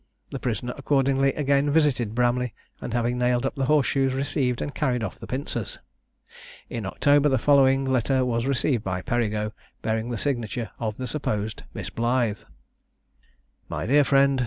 The prisoner accordingly again visited Bramley, and having nailed up the horse shoes received and carried off the pincers. In October the following letter was received by Perigo, bearing the signature of the supposed Miss Blythe. "My dear Friend.